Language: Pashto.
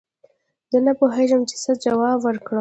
زه نه پوهېږم چې څه جواب ورکړم